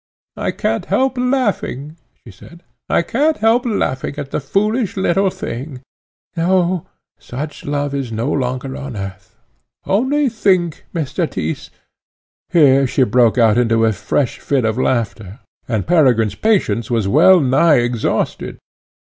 "I can't help laughing," she said, "I can't help laughing at the foolish little thing. No; such love is no longer on earth. Only think, Mr. Tyss, " Here she broke out into a fresh fit of laughter, and Peregrine's patience was well nigh exhausted.